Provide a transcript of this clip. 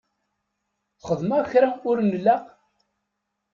Xedmeɣ kra ur nlaq?